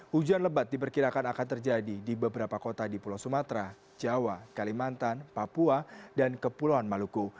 hujan lebat diperkirakan akan terjadi di beberapa kota di pulau sumatera jawa kalimantan papua dan kepulauan maluku